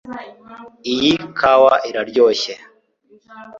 Iyi kawa iraryoshye